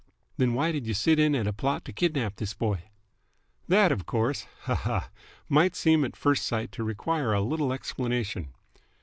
"Th'n why did y' sit in at a plot to kidnap this boy?" "That, of course ha, ha! might seem at first sight to require a little explanation."